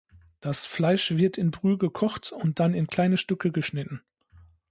Das Fleisch wird in Brühe gekocht und dann in kleine Stücke geschnitten.